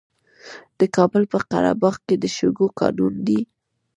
د کابل په قره باغ کې د شګو کانونه دي.